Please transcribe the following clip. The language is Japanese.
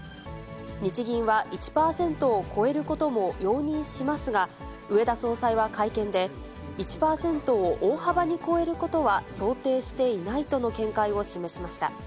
日銀は１％を超えることも容認しますが、植田総裁は会見で、１％を大幅に超えることは想定していないとの見解を示しました。